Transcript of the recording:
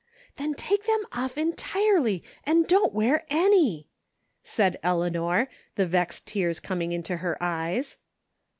" Then take them off entirely and don't wear any," said Eleanor, the vexed tears coming into her eyes.